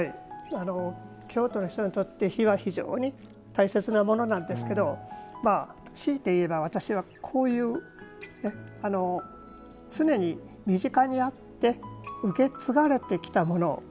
京都の人にとって火は非常に大切なものですけどしいて言えば、私はこういう常に身近にあって受け継がれてきたもの。